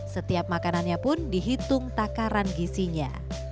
setiap makanannya pun dihitung takaran gisinya